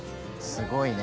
すごいね。